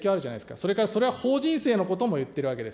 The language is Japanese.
それからそれは法人税のことも言っているわけです。